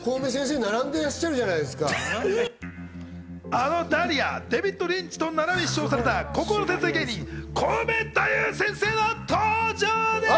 あのダリやデヴィッド・リンチと並び称された孤高の天才芸人・コウメ太夫先生の登場です！